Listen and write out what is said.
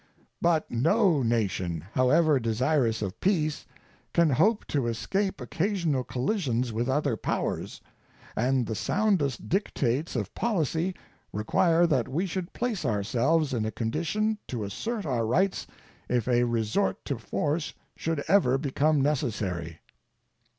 But no nation, however desirous of peace, can hope to escape occasional collisions with other powers, and the soundest dictates of policy require that we should place ourselves in a condition to assert our rights if a resort to force should ever become necessary.